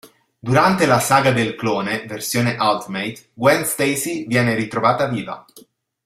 Durante la Saga del Clone versione Ultimate, Gwen Stacy viene ritrovata viva.